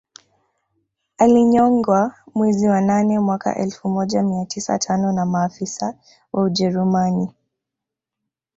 Alinyongwa mwezi wa nane mwaka elfu moja mia tisa tano na maafisa wa Ujerumani